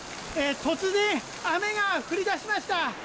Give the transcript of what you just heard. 突然、雨が降り出しました。